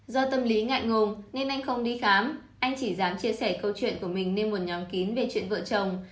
do tâm lý ngại ngồm nên anh không đi khám anh chỉ dám chia sẻ câu chuyện của mình nên một nhóm kín về chuyện vợ chồng